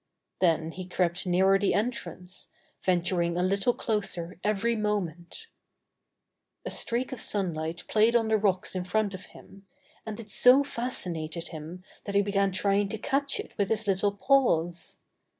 Then he crept nearer the entrance, venturing a little closer every moment A streak of sunlight played on the rocks in front of him, and it so fascinated him that he began trying to catch it with his little paws.